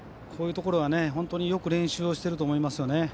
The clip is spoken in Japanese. こういうところは本当によく練習をしていると思いますね。